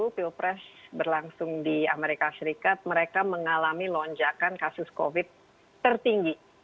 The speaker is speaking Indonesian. pilpres berlangsung di amerika serikat mereka mengalami lonjakan kasus covid tertinggi